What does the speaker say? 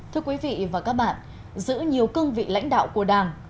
thưa quý vị và các bạn giữa nhiều cương vị lãnh đạo của đảng